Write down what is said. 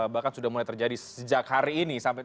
bahkan sudah mulai terjadi sejak hari ini